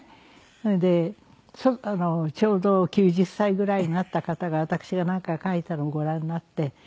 それでちょうど９０歳ぐらいになった方が私がなんか書いたのをご覧になって。